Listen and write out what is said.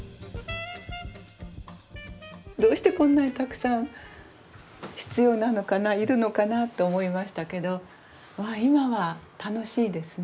どうしてこんなにたくさん必要なのかないるのかなと思いましたけど今は楽しいですね